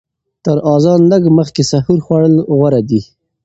تر اذان لږ مخکې سحور خوړل غوره دي.